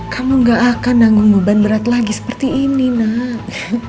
kamu gak akan nanggung beban berat lagi seperti ini nak